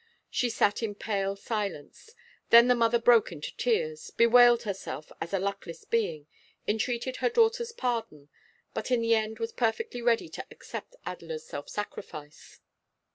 She sat in pale silence. Then her mother broke into tears, bewailed herself as a luckless being, entreated her daughter's pardon, but in the end was perfectly ready to accept Adela's self sacrifice.